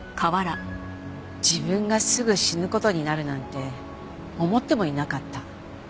自分がすぐ死ぬ事になるなんて思ってもいなかった。